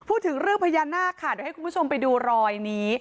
พูดถึงเรื่องพญานาคค่ะเดี๋ยวให้คุณผู้ชมไปดูรอยนี้